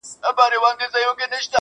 راغی پر نړۍ توپان ګوره چي لا څه کیږي-